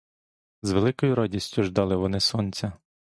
З великою радістю ждали вони сонця.